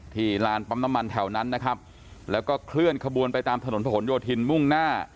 ลานปั๊มน้ำมันแถวนั้นนะครับแล้วก็เคลื่อนขบวนไปตามถนนผนโยธินมุ่งหน้า